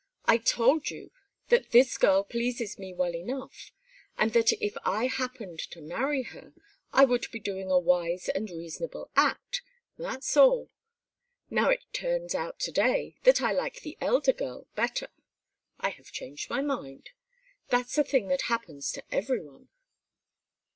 I told you that this girl pleases me well enough, and that if I happened to marry her, I would be doing a wise and reasonable act. That's all. Now it turns out that to day I like the elder girl better. I have changed my mind. That's a thing that happens to everyone."